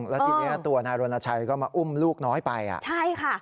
แล้วทีนี้ตัวนายรณชัยก็มาอุ้มลูกน้อยไปอ่ะใช่ค่ะ